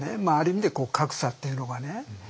まあある意味で格差っていうのがね